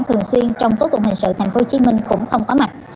thường xuyên trong tố tụng hình sự tp hcm cũng không có mặt